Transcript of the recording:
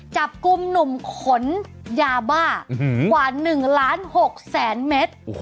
จับกลุ่มหนุ่มขนยาบ้ากว่า๑ล้าน๖แสนเมตร